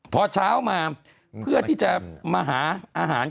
พอเช้ามาเพื่อที่จะมาหาอาหาร